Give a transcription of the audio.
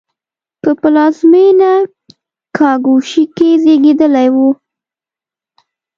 په پلازمېنه کاګوشی کې زېږېدلی و.